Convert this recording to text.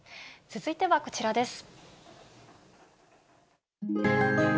続いてはこちらです。